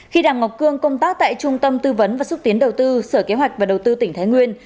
khi đàm ngọc cương công tác tại trung tâm tư vấn và xúc tiến đầu tư sở kế hoạch và đầu tư tỉnh thái nguyên